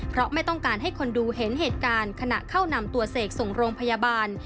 เพราะไม่ต้องการให้คนดูเห็นเหตุการณ์ขณะเข้านำตัวเสกส่งโรงพยาบาล